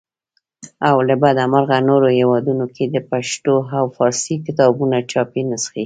او له بده مرغه نورو هیوادونو کې د پښتو او فارسي کتابونو چاپي نخسې.